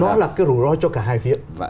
nó là cái rủi ro cho cả hai phía